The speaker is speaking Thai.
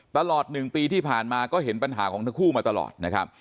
ตลอด๑ปีที่ผ่านมาก็เห็นปัญหาของทั้งคู่มาตลอดนะครับ